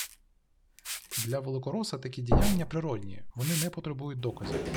Для великороса такі діяння природні, вони не потребують доказів